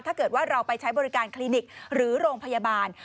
ถ้าเกิดว่าเราไปใช้บริการคลินิกหรือโรงพยาบาล